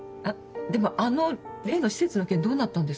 でもあの例の施設の件どうなったんですか？